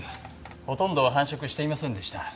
ほとんど繁殖していませんでした。